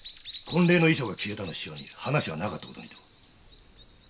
婚礼の衣装が消えたのを潮に話はなかった事にと。